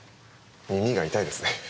耳が痛いですね。